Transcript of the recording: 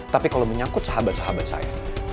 tapi kalau menyangkut sahabat sahabat saya